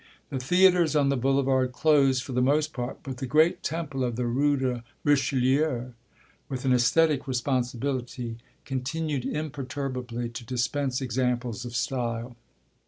The theatres on the boulevard closed for the most part, but the great temple of the Rue de Richelieu, with an esthetic responsibility, continued imperturbably to dispense examples of style.